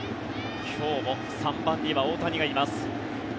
今日も３番には大谷がいます。